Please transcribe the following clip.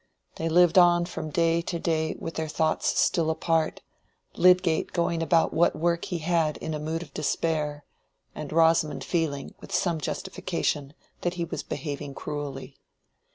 They lived on from day to day with their thoughts still apart, Lydgate going about what work he had in a mood of despair, and Rosamond feeling, with some justification, that he was behaving cruelly.